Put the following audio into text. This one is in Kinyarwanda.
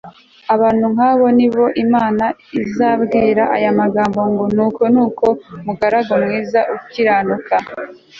Abantu nkabo ni bo Imana izabwira aya magambo ngo Nuko nuko mugaragu mwiza ukiranuka